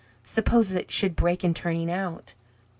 Suppose it should break in turning out?